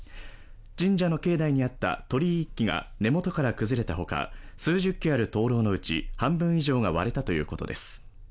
神社の境内にあった鳥居１基が根元から崩れたほか、数十基ある灯籠のうち半分以上が割れたということです。